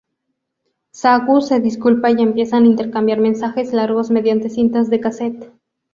Saku se disculpa y empiezan intercambiar mensajes largos mediante cintas de casete.